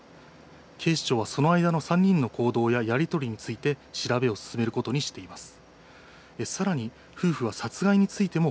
警視庁はその間の３人の行動ややり取りについて調べを進めることにしています。